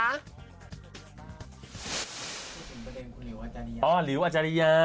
พูดถึงประเด็นคุณหิวอาจารยาอ๋อหลิวอัจฉริยา